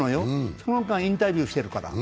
その間インタビューしてるから。